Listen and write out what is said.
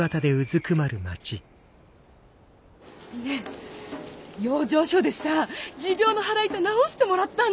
ねえ養生所でさ持病の腹痛治してもらったんだよ。